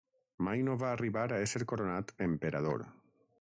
Mai no va arribar a ésser coronat emperador.